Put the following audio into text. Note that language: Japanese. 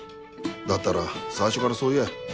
だったら最初からそう言え。